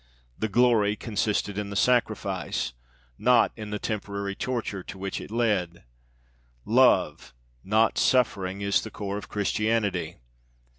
The glory consisted in the sacrifice, not in the temporary torture to which it led. Love, not suffering, is the core of Christianity.